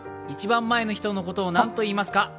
一番前の人のことを何といいますか？